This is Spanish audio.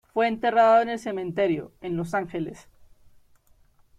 Fue enterrado en el Cementerio, en Los Ángeles.